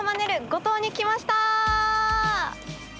五島に来ました！